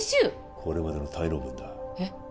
これまでの滞納分だえっ